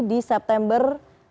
di september dua ribu dua puluh